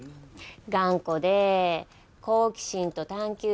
頑固で好奇心と探究心の塊で。